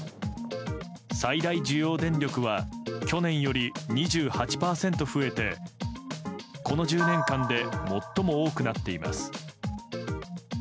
最大需要電力は去年より２８％増えてこの１０年間で最も多くなっています。